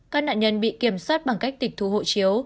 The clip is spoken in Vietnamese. các nạn nhân bị kiểm soát bằng cách tịch thu hộ chiếu